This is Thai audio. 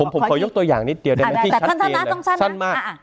ผมขอยกตัวอย่างนิดเดียวได้ไหมพี่ชัดนะต้องสั้นมาก